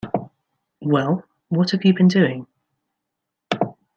Well, what have you been doing?